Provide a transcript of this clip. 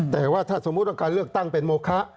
แต่ว่าถ้าสมมุติว่าการเลือกตั้งเป็นโมคะ